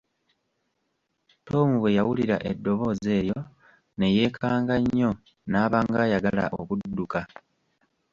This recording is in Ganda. Tom bwe yawulira eddoboozi eryo ne yeekanga nnyo n'aba ng'ayagala okudduka.